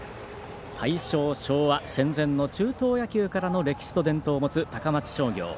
大正、昭和、戦前の中等野球から歴史と伝統を持つ、高松商業。